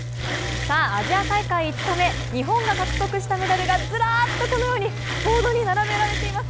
アジア大会５日目、日本が獲得したメダルがこのようにズラーッとボードに並べられています。